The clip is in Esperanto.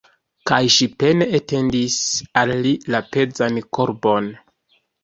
Kaj ŝi pene etendis al li la pezan korbon.